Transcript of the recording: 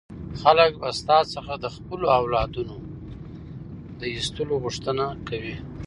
خلک به ستا څخه د خپلو اولادونو د ایستلو غوښتنه کوي.